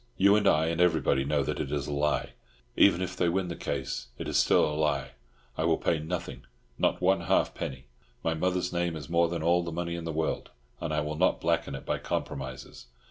You and I and everybody know that it is a lie; even if they win the case, it is still a lie. I will pay nothing—not one halfpenny. My mother's name is more than all the money in the world, and I will not blacken it by compromises.